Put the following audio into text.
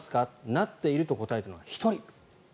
なっていると答えたのが１人。